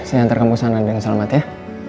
saya antar kamu kesana dan selamat ya